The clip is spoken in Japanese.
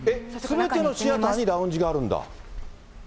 すべてのシアターにラウンジがあるんだ。